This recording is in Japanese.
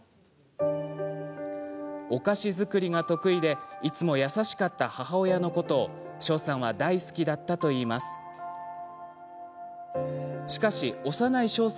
お菓子作りが得意でいつも優しかった母親のことを翔さんは大好きだったといいます。